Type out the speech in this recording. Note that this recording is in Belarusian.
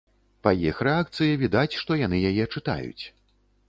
Па іх рэакцыі відаць, што яны яе чытаюць.